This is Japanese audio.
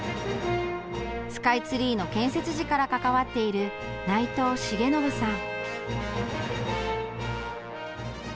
スカイツリーの建設時から関わっている内藤重信さん。